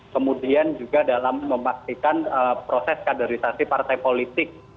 kemudian juga dalam memastikan proses kaderisasi partai politik